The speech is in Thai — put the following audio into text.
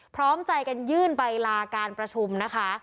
พร้อมใจกันยื่นใบลาการประชุมนะคะ